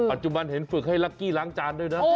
ปัจจุบันเห็นฝึกให้ลักกี้ล้างจานด้วยนะ